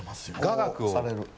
雅楽をされる。